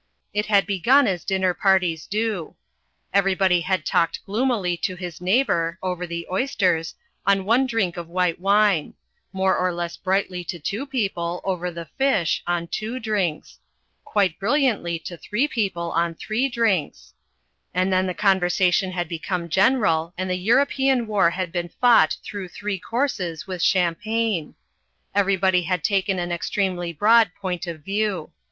It had begun as dinner parties do. Everybody had talked gloomily to his neighbour, over the oysters, on one drink of white wine; more or less brightly to two people, over the fish, on two drinks; quite brilliantly to three people on three drinks; and then the conversation had become general and the European war had been fought through three courses with champagne. Everybody had taken an extremely broad point of view.